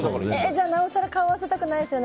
じゃあ、なおさら顔を合わせたくないですね。